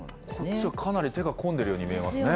こっちはかなり手が込んでるように見えますね。